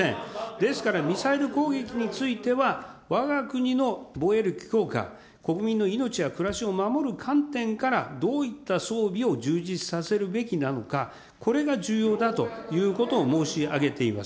ですからミサイル攻撃については、わが国の防衛力強化、国民の命や暮らしを守る観点から、どういった装備を充実させるべきなのか、これが重要だということを申し上げています。